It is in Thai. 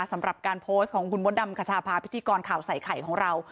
สำหรับการโพสต์ของคุณมดดำขชาพาพิธีกรข่าวใส่ไข่ของเรา